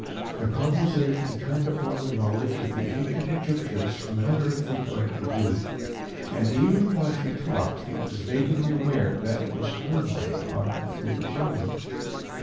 The conversation turned upon the knowledge of the ancient Egyptians from an unearthly point of view, and even while he talked he was vaguely aware that it was her mind talking through his own.